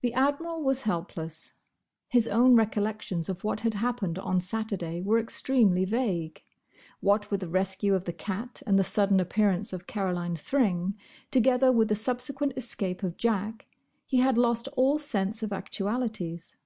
The Admiral was helpless. His own recollections of what had happened on Saturday were extremely vague. What with the rescue of the cat and the sudden appearance of Caroline Thring, together with the subsequent escape of Jack, he had lost all sense of actualities.